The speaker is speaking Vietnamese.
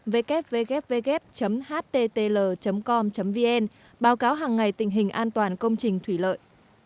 www httl com vn báo cáo hàng ngày tình hình an toàn công trình thủy lợi